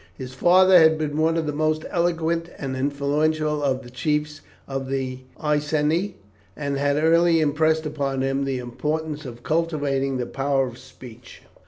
His father had been one of the most eloquent and influential of the chiefs of the Iceni, and had early impressed upon him the importance of cultivating the power of speech.